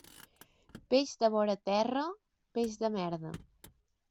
Peix de vora terra, peix de merda.